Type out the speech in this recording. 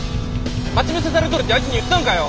待ち伏せされとるってあいつに言ったんかよ！